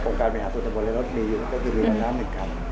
องค์บริหารสนตมาตย์และรถมีตั้งแต่ศุลจารณา๑กัน